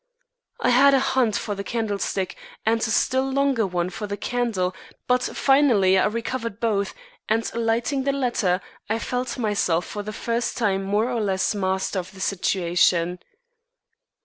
I had a hunt for the candlestick and a still longer one for the candle, but finally I recovered both, and, lighting the latter, felt myself, for the first time, more or less master of the situation.